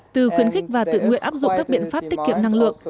từ khuyến khích và tự nguyện áp dụng các biện pháp tiết kiệm năng lượng